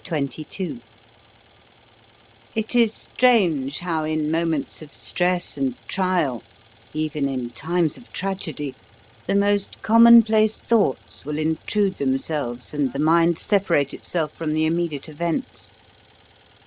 CHAPTER XXII It is strange how, in moments of stress and trial, even in times of tragedy, the most commonplace thoughts will intrude themselves and the mind separate itself from the immediate events.